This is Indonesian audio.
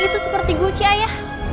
itu seperti guci ayah